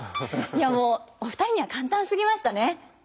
いやもうお二人には簡単すぎましたね。